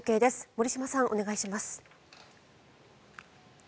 森嶋さん、お願いします。